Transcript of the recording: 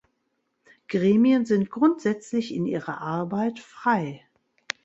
Gremien sind grundsätzlich in ihrer Arbeit frei.